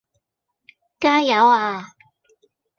加油呀